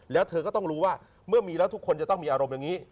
แล้วเธอก็ต้องรู้ว่าเมื่อมีแล้วทุกคนจะต้องมีอารมณ์อย่างนี้